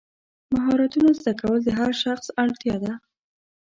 مهارتونه زده کول د هر شخص اړتیا ده.